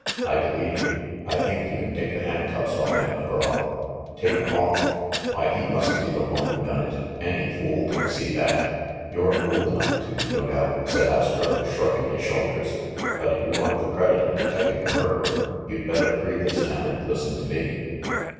"I believe you. I think you can take the handcuffs off him, Mc Graw." "Take 'em off ! Why, he must be the one who done it ! Any fool could see that !" "You're fool enough to, no doubt," said Astro, shrugging his shoulders; "but if you want the credit of detecting the murderer, you'd better free this man and listen to me."